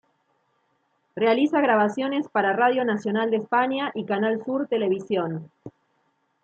Realiza grabaciones para Radio Nacional de España y Canal Sur Televisión.